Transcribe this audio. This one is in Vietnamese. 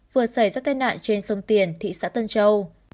vừa xảy ra tai nạn trên sông tiền thị xã tân châu